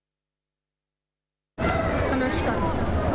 楽しかった。